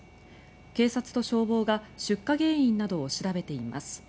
警察と消防が出火原因などを調べています。